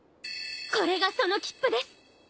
これがその切符です！